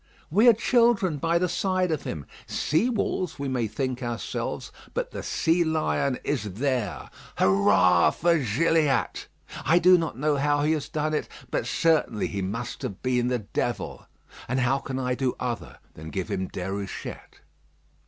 We are children by the side of him. Sea wolves we may think ourselves; but the sea lion is there. Hurrah for Gilliatt! I do not know how he has done it; but certainly he must have been the devil. And how can I do other than give him Déruchette."